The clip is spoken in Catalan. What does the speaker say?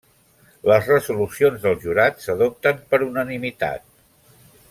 Les resolucions del jurat s'adopten per unanimitat.